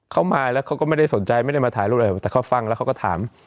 เขามาแล้วเขาก็ไม่ได้สนใจไม่ได้มาถ่ายรูปอะไรแต่เขาฟังแล้วเขาก็ถาม